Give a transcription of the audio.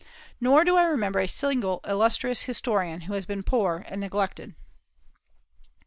Nor do I remember a single illustrious historian who has been poor and neglected.